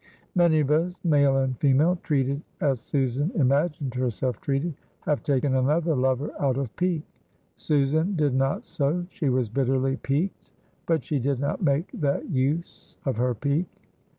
Many of us, male and female, treated as Susan imagined herself treated, have taken another lover out of pique. Susan did not so. She was bitterly piqued, but she did not make that use of her pique.